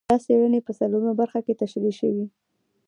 دا څېړنې په څلورمه برخه کې تشرېح شوي دي.